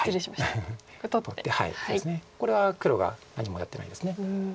これは黒が何もやってないです。